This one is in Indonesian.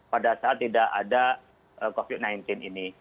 pada saat tidak ada covid sembilan belas ini